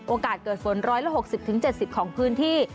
โอกาสเกิดฝน๑๖๐๗๐ของพื้นที่